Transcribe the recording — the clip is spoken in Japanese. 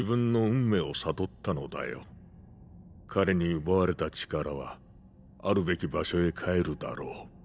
彼に奪われた力は在るべき場所へ帰るだろう。